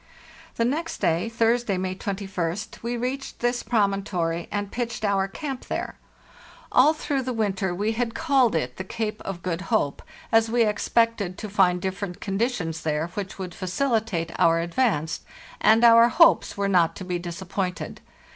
The next day (Thursday, May 21st) we reached this promontory, and pitched our camp there. All through 490 FARTHEST NORTH the winter we had called it the Cape of Good Hope, as we expected to find different conditions there which would facilitate our advance; and our hopes were not to be disappointed.